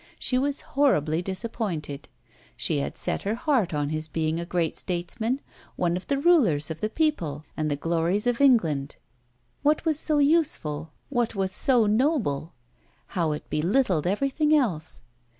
She was horribly disappointed she had set her heart on his being a great statesman, one of the rulers of the people and the glories of England. What was so useful, what was so noble? how it belittled everything else!